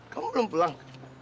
kamu belum pulang